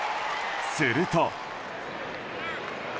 すると。